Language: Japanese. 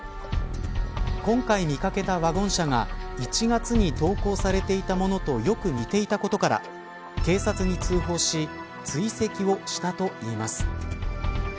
今回見掛けたワゴン車が１月に投稿されていたものとよく似ていたことから警察に通報し追跡をしたといいます。